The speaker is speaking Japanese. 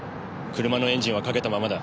車のエンジンはかけたままだ。